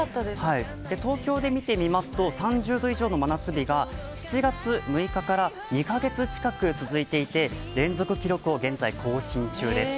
東京で見てみますと３０度以上の真夏日が７月６日から２か月以上続いていて連続記録を現在更新中です。